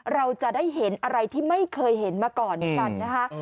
เราจะได้เห็นอะไรที่ไม่เคยเห็นมาก่อนเหมือนกันนะคะ